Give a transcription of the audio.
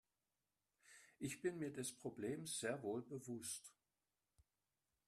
Ich bin mir des Problems sehr wohl bewusst.